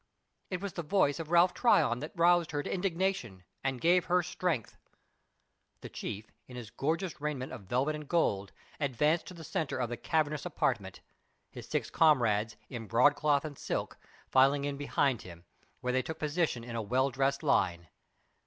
It was the voice of Ralph Tryon that roused her to indignation and gave her strength. The chief, in his gorgeous raiment of velvet and gold, advanced to the center of the cavernous apartment; his six comrades, in broadcloth and silk, filing in behind him, where they took position in a well dressed line.